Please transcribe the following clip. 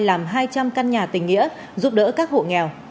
làm hai trăm linh căn nhà tình nghĩa giúp đỡ các hộ nghèo